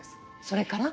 それから？